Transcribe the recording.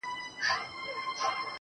هغې بېگاه زما د غزل کتاب ته اور واچوه.